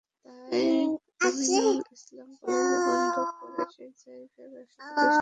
তাই আমিনুল ইসলাম কলেজ বন্ধ করে সেই জায়গায় ব্যবসাপ্রতিষ্ঠান করার চেষ্টা করছেন।